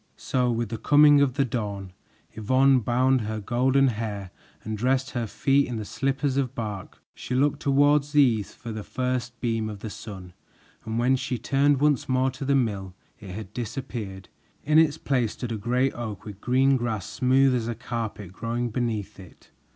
So with the coming of the dawn, Yvonne bound her golden hair and dressed her feet in the slippers of bark. She looked toward the east for the first beam of the sun, and when she turned once more to the mill it had disappeared. In its place stood a great oak with green grass smooth as a carpet growing beneath it.